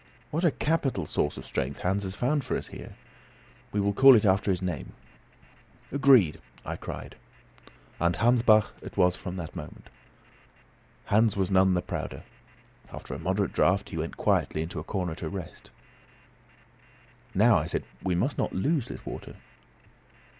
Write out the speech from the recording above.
What a capital source of strength Hans has found for us here. We will call it after his name." "Agreed," I cried. And Hansbach it was from that moment. Hans was none the prouder. After a moderate draught, he went quietly into a corner to rest. "Now," I said, "we must not lose this water."